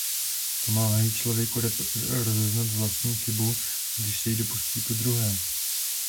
Pomáhají člověku rozeznat vlastní chybu, když se jí dopustí podruhé.